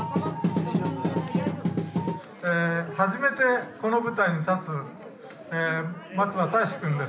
初めてこの舞台に立つ松場たいしくんです。